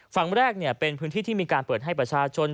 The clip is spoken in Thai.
ฝั่งแรกเป็นพื้นที่ที่มีการเปิดให้ประชาชน